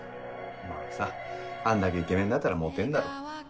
まぁさあんだけイケメンだったらモテんだろ。